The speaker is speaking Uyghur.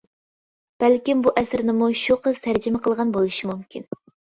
بەلكىم بۇ ئەسەرنىمۇ شۇ قىز تەرجىمە قىلغان بولۇشى مۇمكىن.